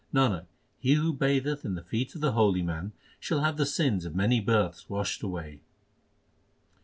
Nanak, he who batheth in the feet of the holy man shall have the sins of many births washed away.